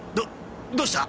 どどうした？